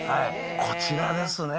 こちらですね。